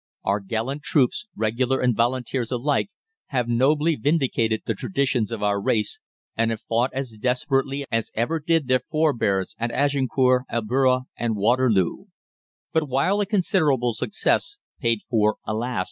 Our gallant troops, Regular and Volunteers alike, have nobly vindicated the traditions of our race, and have fought as desperately as ever did their forebears at Agincourt, Albuera, or Waterloo. But while a considerable success paid for, alas!